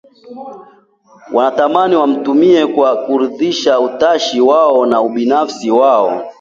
wanatamani wamtumie kwa kuridhisha utashi wao na ubinafsi wao